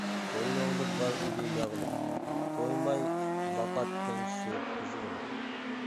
قوللىرىڭدا بار ئىدى ياغلىق، تويماي باقاتتىڭ شۇ قىزغىلا.